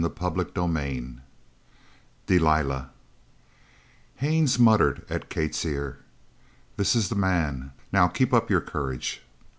CHAPTER XIV DELILAH Haines muttered at Kate's ear: "This is the man. Now keep up your courage."